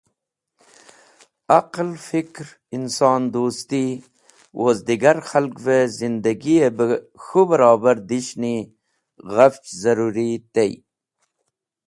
Aqal, Fikr, Inson Dusti woz digar khalve Zindagiye be K̃hu barobar dishni ghafch zaruri tey.